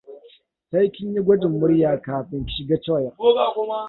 Sai kin yi gwajin murya kafin ki shiga choir.